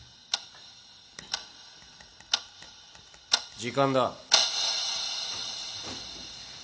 時間だ。